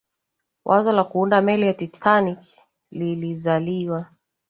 wazo la kuunda meli ya titanic lilizaliwa